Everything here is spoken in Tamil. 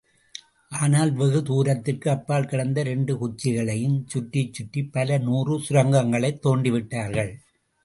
ஆனால் வெகுதூரத்திற்கு அப்பால் கிடந்த இரண்டு குச்சிகளையும் சுற்றிச்சுற்றிப் பல நூறு சுரங்கங்களைத் தோண்டிவிட்டார்கள்.